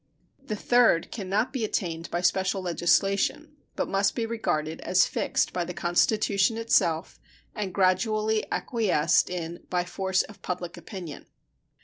The third can not be attained by special legislation, but must be regarded as fixed by the Constitution itself and gradually acquiesced in by force of public opinion.